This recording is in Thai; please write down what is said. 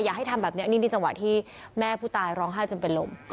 ให้ทำแบบนี้นี่จังหวะที่แม่ผู้ตายร้องไห้จนเป็นลม